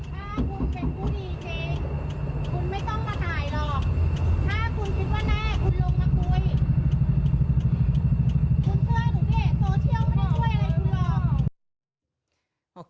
เพื่อนโซเชียลไม่ได้ช่วยอะไรคุณหรอก